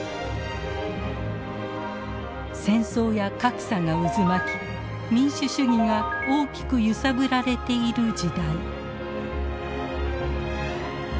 戦争や格差が渦巻き民主主義が大きく揺さぶられている時代。